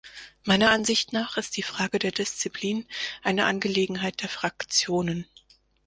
Meiner Ansicht nach ist die Frage der Disziplin eine Angelegenheit der Fraktionen.